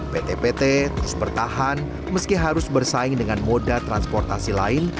pt pt terus bertahan meski harus bersaing dengan moda transportasi lain